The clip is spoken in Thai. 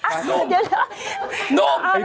เอาเดี๋ยว